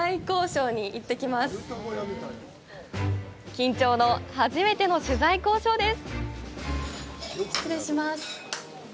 緊張の、初めての取材交渉です。